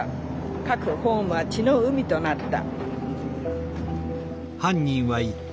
各ホームは血の海となった」。